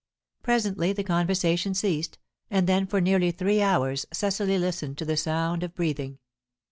Presently the conversation ceased, and then for nearly three hours Cecily listened to the sound of breathing.